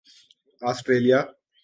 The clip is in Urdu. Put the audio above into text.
آسٹریلیا